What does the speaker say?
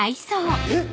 えっ！